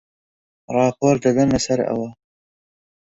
ڕاپۆرت دەدەن لەسەر ئەوە